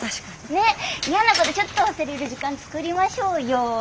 ねっやなことちょっと忘れる時間作りましょうよ。